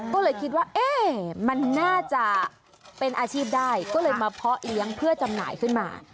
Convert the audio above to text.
ก็เลยคิดว่าเอ๊ะมันน่าจะเป็นอาชีพได้ก็เลยมาเพาะเลี้ยงเพื่อจำหน่ายขึ้นมา